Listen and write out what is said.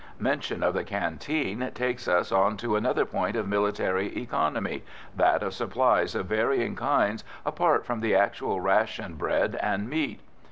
Mention of the canteen takes us on to another point of military economy, that of supplies of varying kinds apart from the actual ration bread and meat.